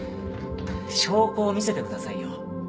証拠を見せてくださいよ。